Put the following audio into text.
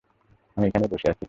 আমি এখানেই বসে আছি।